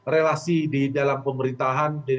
relasi di dalam pemerintahan